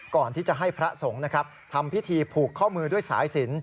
ก่อนที่จะให้พระสงฆ์นะครับทำพิธีผูกข้อมือด้วยสายสิน